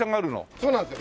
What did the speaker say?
そうなんですよ。